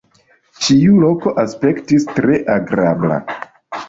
Tiu loko aspektis tre agrabla..